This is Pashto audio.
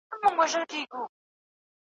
شرنګ و ساز یې برابر سو